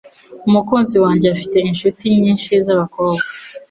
Umukunzi wanjye afite inshuti nyinshi zabakobwa.